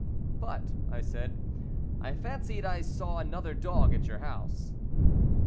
"But," I said, "I fancied I saw another dog at your house."